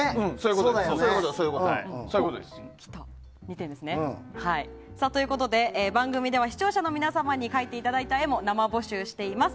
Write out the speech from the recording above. そういうことです。ということで、番組では視聴者の皆さんに描いたいただいた絵も生募集しています。